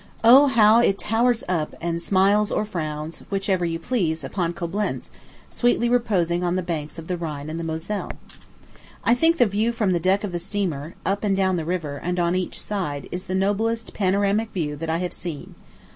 O, how it towers up, and smiles or frowns which you please upon Coblentz, sweetly reposing on the banks of the Rhine and the Moselle! I think the view from the deck of the steamer, up and down the river, and on each side, is the noblest panoramic view that I have seen.